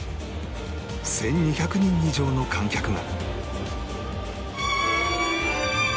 １２００人以上の観客が